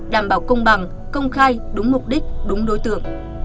đảm bảo công bằng công khai đúng mục đích đúng đối tượng